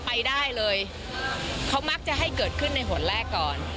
ไปได้เลยเขามักจะให้เกิดขึ้นในหนแรกก่อน